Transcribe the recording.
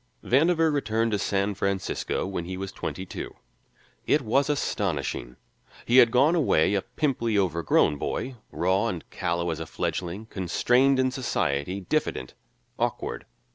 Vandover returned to San Francisco when he was twenty two. It was astonishing; he had gone away a pimply, overgrown boy, raw and callow as a fledgling, constrained in society, diffident, awkward.